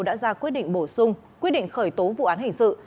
đã ra quyết định bổ sung quyết định khởi tố vụ án hình sự